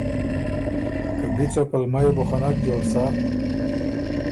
که بی څۀ پلمه يې بو خه نک جوړ سَۀ